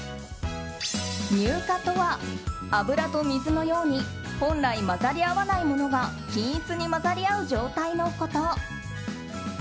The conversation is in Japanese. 乳化とは、油と水のように本来混ざり合わないものが均一に混ざり合う状態のこと。